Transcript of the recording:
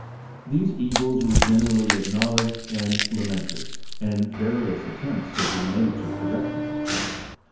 These evils were generally acknowledged and lamented, and various attempts had been made to correct them.